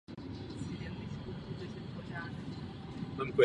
Američané jeho zásluhy ocenili Bronzovou hvězdou.